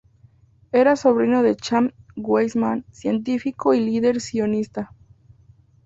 Era sobrino de Chaim Weizmann, científico, y líder sionista.